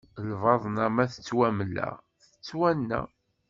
Lbaḍna ma tettwamla, tettwanna.